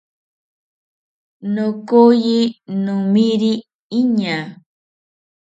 Nokoyi nomiri iñaa